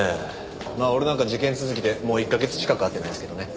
まあ俺なんか事件続きでもう１カ月近く会ってないんですけどね。